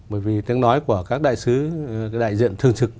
bởi vì tiếng nói của các đại sứ đại diện thường trực